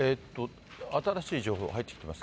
新しい情報入ってきてます？